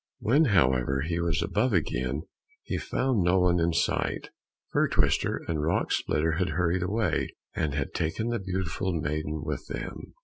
When, however, he was above again, he found no one in sight. Fir twister and Rock splitter had hurried away, and had taken the beautiful maiden with them.